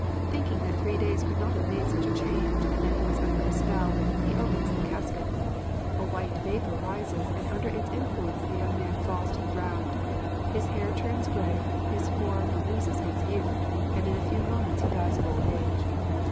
Thinking that three days could not have made such a change, and that he was under a spell, he opens the casket. A white vapour rises, and under its influence the young man falls to the ground. His hair turns grey, his form loses its youth, and in a few moments he dies of old age.